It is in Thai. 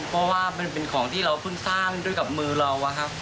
เพราะว่ามันเป็นของที่เราเพิ่งสร้างด้วยกับมือเราอะครับ